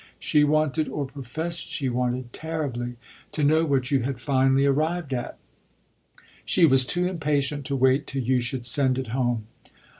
She wanted, or professed she wanted, terribly to know what you had finally arrived at. She was too impatient to wait till you should send it home."